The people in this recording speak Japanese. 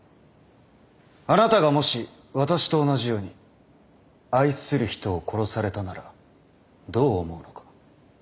あなたがもし私と同じように愛する人を殺されたならどう思うのか。